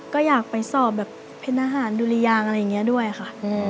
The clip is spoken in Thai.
ก็อยากไปสอบแบบเป็นทหารดุรยางอะไรอย่างนี้ด้วยค่ะ